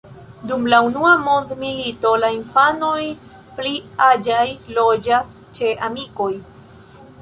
Dum la Unua mondmilito la infanoj pli aĝaj loĝas ĉe amikoj.